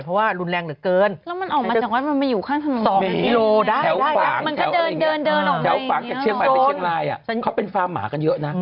เพราะว่ารุนแรงเหลือเกิน